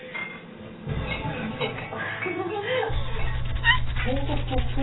こんな感じだね。